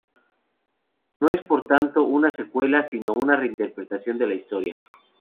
No es por tanto una secuela, sino una reinterpretación de la historia.